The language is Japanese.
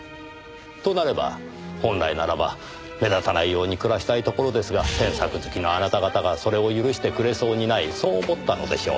となれば本来ならば目立たないように暮らしたいところですが詮索好きのあなた方がそれを許してくれそうにないそう思ったのでしょう。